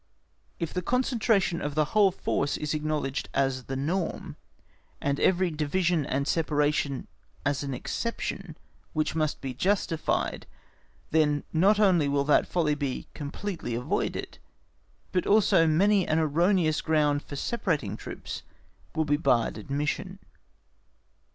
If the concentration of the whole force is acknowledged as the norm, and every division and separation as an exception which must be justified, then not only will that folly be completely avoided, but also many an erroneous ground for separating troops will be barred admission.